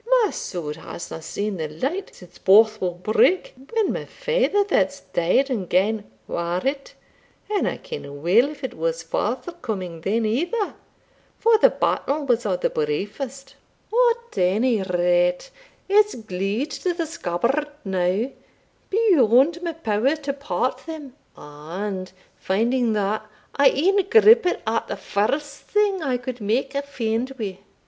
My sword hasna seen the light since Bothwell Brigg, when my father that's dead and gane, ware it; and I kenna weel if it was forthcoming then either, for the battle was o' the briefest At ony rate, it's glued to the scabbard now beyond my power to part them; and, finding that, I e'en grippit at the first thing I could make a fend wi'.